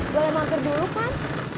boleh mampir dulu pak